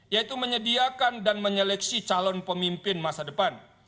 yaitu menyediakan dan menyeleksi calon pemimpin masa depan